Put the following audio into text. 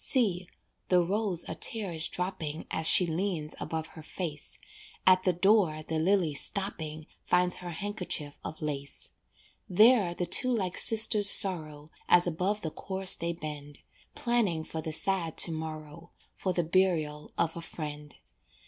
See, the rose a tear is dropping As she leans above her face, At the door the lily stopping, Finds her handkerchief of lace. There the two like sisters sorrow, As above the corse they bend, Planning for the sad to morrow For the burial of a friend.